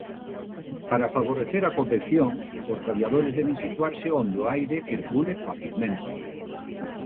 Para favorecer a convección, os radiadores deben situarse onde o aire circule facilmente.